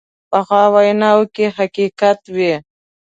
پخو ویناوو کې حقیقت وي